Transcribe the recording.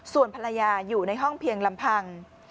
ส่วนภรรยาอยู่ในห้องเพียงลำพัง